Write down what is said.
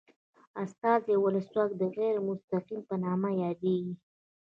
استازي ولسواکي د غیر مستقیمې په نامه یادیږي.